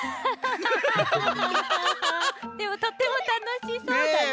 でもとってもたのしそうだね！